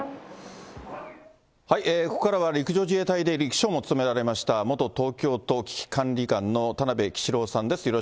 ここからは陸上自衛隊で陸将も務められました、元東京都危機管理監の田邉揮司良さんです。